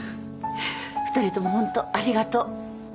２人ともホントありがとう。